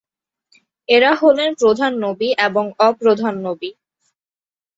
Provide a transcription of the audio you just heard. এরা হলেন প্রধান নবী এবং অপ্রধান নবী।